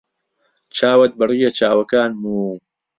چاوت بڕیە چاوەکانم و